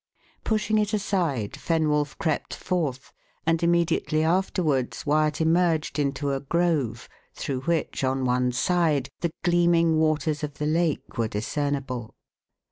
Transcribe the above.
Pushing it aside, Fenwolf crept forth, and immediately afterwards Wyat emerged into a grove, through which, on one side, the gleaming waters of the lake were discernible.